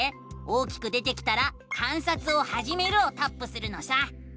大きく出てきたら「観察をはじめる」をタップするのさ！